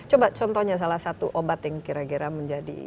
coba contohnya salah satu obat yang kira kira menjadi